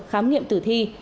khám nghiệm tử thi